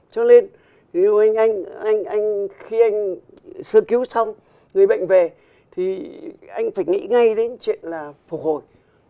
cho nên khi anh sơ cứu xong người bệnh về thì anh phải nghĩ ngay đến chuyện là phục hồi